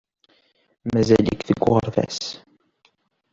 Mazal-ik deg uɣerbaz.